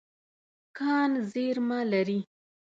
کان زیرمه لري.